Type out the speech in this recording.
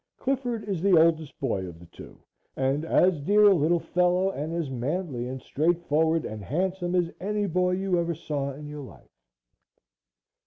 Clifford is the oldest boy of the two, and as dear a little fellow and as manly and straightforward and handsome as any boy you ever saw in your life.